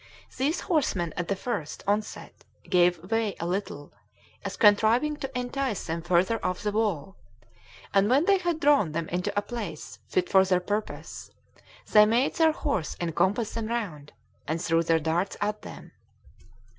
These horsemen at the first onset gave way a little, as contriving to entice them further off the wall; and when they had drawn them into a place fit for their purpose, they made their horse encompass them round, and threw their darts at them.